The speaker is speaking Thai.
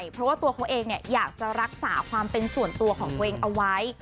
เพราะว่าตัวเขาเองอยากจะรักษาความเป็นส่วนตัวของตัวเองเอาไว้